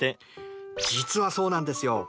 実はそうなんですよ。